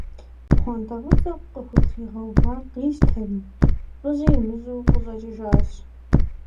Пхъуантэ фӀыцӀэ къыхутригъэувар къищтэри, фӀыщӀи имыщӀу къыщӀэкӀыжащ.